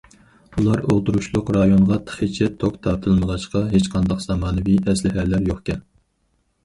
ئۇلار ئولتۇرۇشلۇق رايونغا تېخىچە توك تارتىلمىغاچقا، ھېچقانداق زامانىۋى ئەسلىھەلەر يوقكەن.